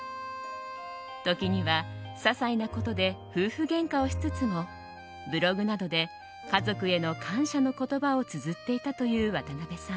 時には、ささいなことで夫婦げんかをしつつもブログなどで家族への感謝の言葉をつづっていたという渡辺さん。